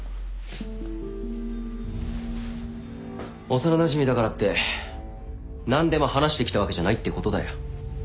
幼なじみだからって何でも話してきたわけじゃないってことだよ。